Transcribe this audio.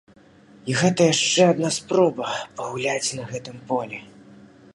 І гэта яшчэ адна спроба пагуляць на гэтым полі.